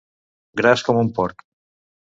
Gras com un porc.